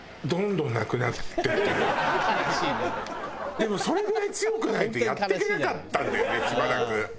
でもそれぐらい強くないとやっていけなかったんだよねしばらく。